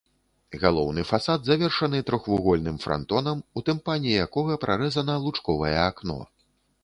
Галоўны фасад завершаны трохвугольным франтонам, у тымпане якога прарэзана лучковае акно.